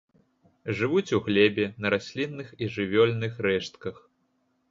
Жывуць у глебе, на раслінных і жывёльных рэштках.